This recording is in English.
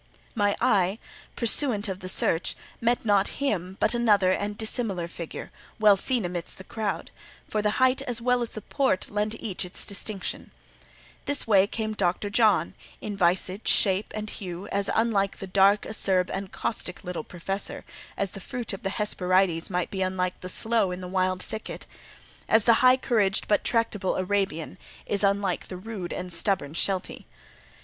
My eye, pursuant of the search, met not him, but another and dissimilar figure, well seen amidst the crowd, for the height as well as the port lent each its distinction. This way came Dr. John, in visage, in shape, in hue, as unlike the dark, acerb, and caustic little professor, as the fruit of the Hesperides might be unlike the sloe in the wild thicket; as the high couraged but tractable Arabian is unlike the rude and stubborn "sheltie."